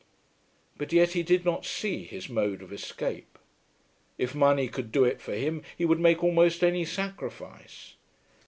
But yet he did not see his mode of escape. If money could do it for him he would make almost any sacrifice.